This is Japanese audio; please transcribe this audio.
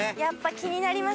気になりますね。